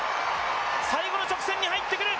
最後の直線に入ってくる！